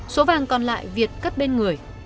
số vàng còn lại việt cất bên người